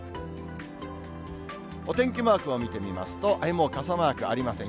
お天気マークを見てみますと、傘マークありません。